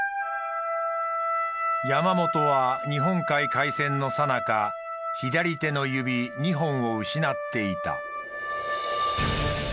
山本は日本海海戦のさなか左手の指２本を失っていた。